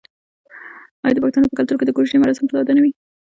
آیا د پښتنو په کلتور کې د کوژدې مراسم ساده نه وي؟